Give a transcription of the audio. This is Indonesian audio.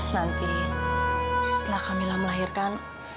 nanti setelah kamilah melahirkan